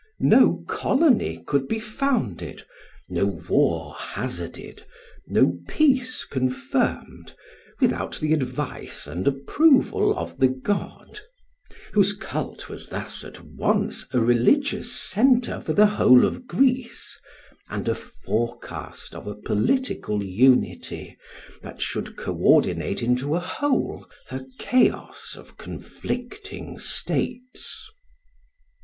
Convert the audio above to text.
No colony could be founded, no war hazarded, no peace confirmed, without the advice and approval of the god whose cult was thus at once a religious centre for the whole of Greece, and a forecast of a political unity that should co ordinate into a whole her chaos of conflicting states.